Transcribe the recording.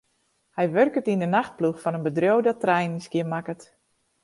Hy wurket yn 'e nachtploech fan in bedriuw dat treinen skjinmakket.